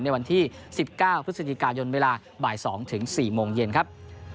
ในวันที่๑๙พฤศจิกายนเวลาบ่าย๒ถึง๔โมงเย็นครับ